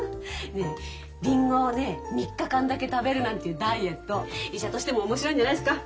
ねえリンゴをね３日間だけ食べるなんていうダイエット医者としても面白いんじゃないっすか。